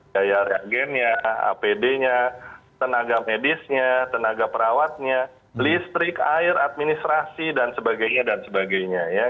daya reagennya apd nya tenaga medisnya tenaga perawatnya listrik air administrasi dan sebagainya dan sebagainya ya